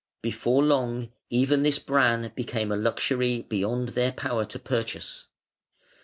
Before long even this bran became a luxury beyond their power to purchase.